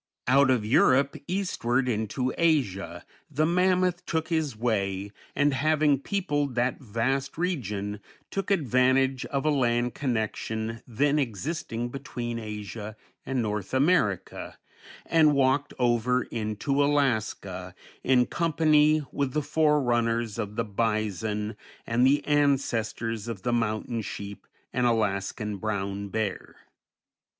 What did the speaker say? Out of Europe eastward into Asia the mammoth took his way, and having peopled that vast region, took advantage of a land connection then existing between Asia and North America and walked over into Alaska, in company with the forerunners of the bison and the ancestors of the mountain sheep and Alaskan brown bear.